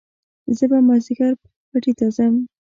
زه به مازيګر پټي ته ځم